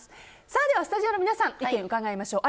ではスタジオの皆さんの意見を伺いましょう。